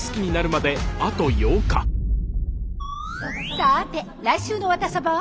さあて来週の「ワタサバ」は。